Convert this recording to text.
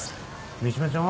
三島ちゃんは？